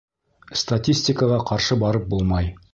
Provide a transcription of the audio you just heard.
Статистикаға ҡаршы барып булмай.